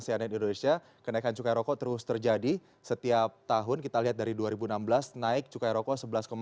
cnn indonesia kenaikan cukai rokok terus terjadi setiap tahun kita lihat dari dua ribu enam belas naik cukai rokok